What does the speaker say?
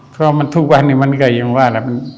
เพราะว่ามันทุกวันนึงมันก็ยังว่าอะไร